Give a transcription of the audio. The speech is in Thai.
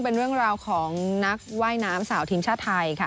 เป็นเรื่องราวของนักว่ายน้ำสาวทีมชาติไทยค่ะ